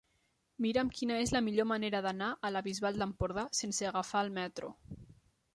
Mira'm quina és la millor manera d'anar a la Bisbal d'Empordà sense agafar el metro.